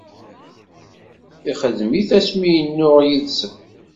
Ixedm-it asmi yennuɣ yaid-sen.